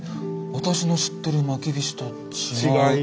私の知ってるまきびしと違う。